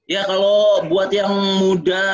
ya kalau buat yang muda